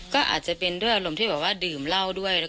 ก็อาจจะเป็นด้วยอารมณ์ที่บอกว่าดื่มเหล้าด้วย